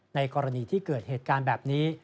ในกรณีที่เกิดเหตุการณ์แบบนี้